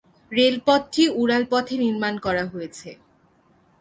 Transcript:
রেলপথটি উড়াল পথে নির্মাণ করা হয়েছে।